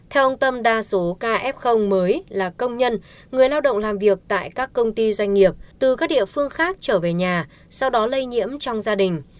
theo ông tâm đa số kf mới là công nhân người lao động làm việc tại các công ty doanh nghiệp từ các địa phương khác trở về nhà sau đó lây nhiễm trong gia đình